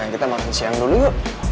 kita makan siang dulu yuk